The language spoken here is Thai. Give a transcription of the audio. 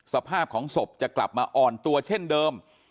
สภาพของศพจะกลับมาอ่อนตัวเช่นเดิม